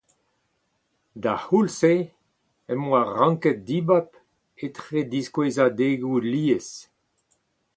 D'ar c'houlz-se em boa ranket dibab etre diskouezadegoù lies.